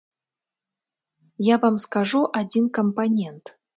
Я вам скажу адзін кампанент.